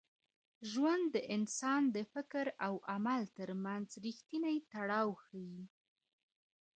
ژوند د انسان د فکر او عمل تر منځ رښتینی تړاو ښيي.